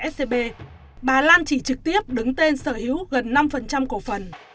scb bà lan chỉ trực tiếp đứng tên sở hữu gần năm cổ phần